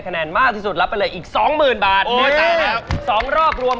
กันติกากันนิดนึงนะครับ